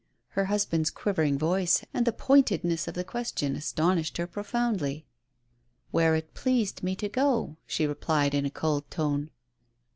" Her husband's quivering voice and the pointedness of his question astonished her profoundly. "Where it pleased me to go," she replied in a cold tone.